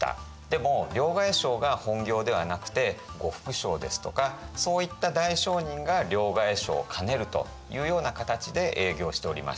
でも両替商が本業ではなくて呉服商ですとかそういった大商人が両替商を兼ねるというような形で営業しておりました。